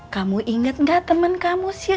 kamu inget gak temen kamu si eis